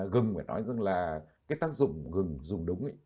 gừng phải nói rằng là cái tác dụng gừng dùng đúng ấy